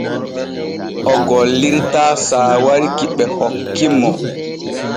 O gollirtaa saawari ki ɓe hokki mo.